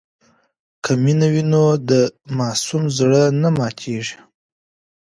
که مینه وي نو د ماسوم زړه نه ماتېږي.